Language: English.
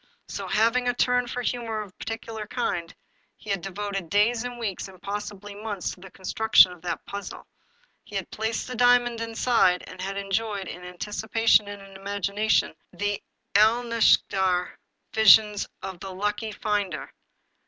So, having a turn for humor of a peculiar kind, he had devoted days, and weeks, and possibly months, to the construction of that puzzle. He had placed the diamond inside, and he had enjoyed, in anticipation and in imagination, the Alnaschar visions of the lucky finder.